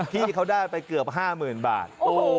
ที่เขาได้ไปเกือบ๕๐๐๐บาท